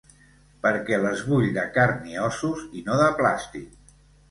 Perquè les vull de carn i ossos, i no de plàstic.